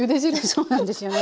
そうなんですよね。